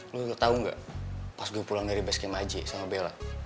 lu tahu nggak pas gue pulang dari base camp aji sama bella